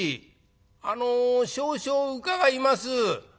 あの少々伺います。